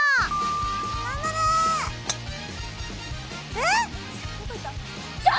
えっ？